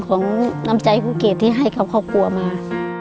ของน้ำใจครูเกตที่ให้เขาครอบครัวมา